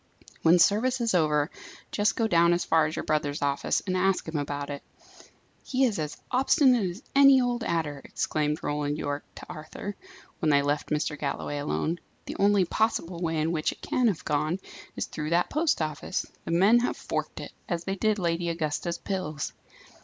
"When service is over, just go down as far as your brother's office, and ask him about it." "He is as obstinate as any old adder!" exclaimed Roland Yorke to Arthur, when they left Mr. Galloway alone. "The only possible way in which it can have gone, is through that post office. The men have forked it; as they did Lady Augusta's pills."